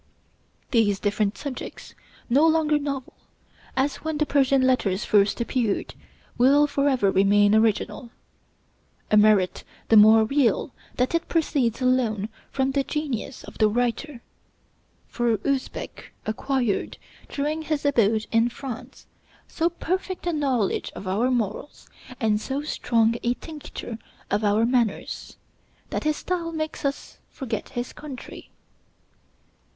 These different subjects, no longer novel, as when the 'Persian Letters' first appeared, will forever remain original a merit the more real that it proceeds alone from the genius of the writer; for Usbec acquired, during his abode in France, so perfect a knowledge of our morals, and so strong a tincture of our manners, that his style makes us forget his country.